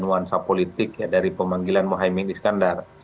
dan wansa politik dari pemanggilan mohaimin iskandar